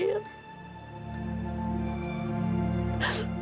aku bukan taufan